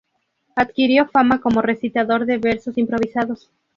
Adquirió fama como recitador de versos improvisados.